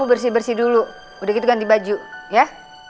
bersih bersih dulu udah gitu ganti baju ya